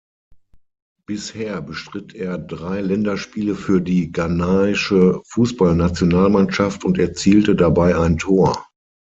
Bisher bestritt er drei Länderspiele für die ghanaische Fußballnationalmannschaft und erzielte dabei ein Tor.